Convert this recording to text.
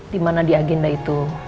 di mana di agenda itu